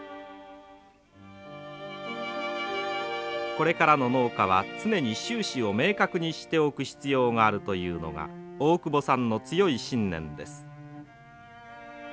これからの農家は常に収支を明確にしておく必要があるというのが大久保さんの強い信念です。